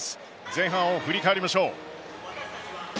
前半を振り返りましょう。